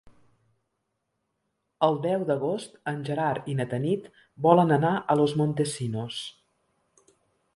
El deu d'agost en Gerard i na Tanit volen anar a Los Montesinos.